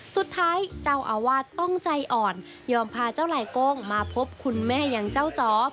สุดท้ายเจ้าอาวาสต้องใจอ่อนยอมพาเจ้าลายโก้งมาพบคุณแม่อย่างเจ้าจ๋อ